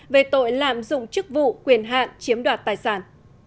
về tội lạm dụng chức vụ quyền hạn chiếm đoạt tài sản